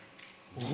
・お？